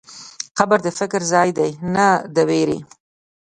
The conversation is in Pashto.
قبر د فکر ځای دی، نه د وېرې.